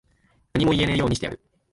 何も言えねぇようにしてやる。